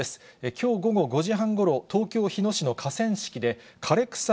きょう午後５時半ごろ、東京・日野市の河川敷で、枯れ草